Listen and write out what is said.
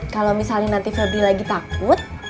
kalau misalnya nanti febri lagi takut